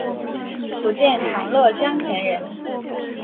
福建长乐江田人。